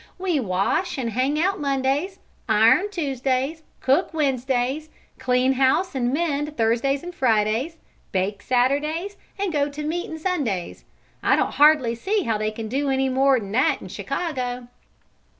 We wash and hang out Mondays, iron Tuesdays, cook Wednesdays, clean house and mend Thursdays and Fridays, bake Saturdays, and go to meetin' Sundays. I don't hardly see how they can do any more 'n that in Chicago!"